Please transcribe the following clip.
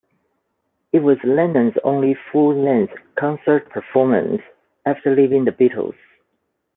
It was Lennon's only full-length concert performance after leaving the Beatles.